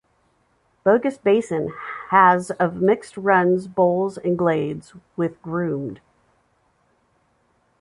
Bogus Basin has of mixed runs, bowls, and glades, with groomed.